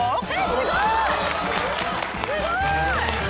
すごい！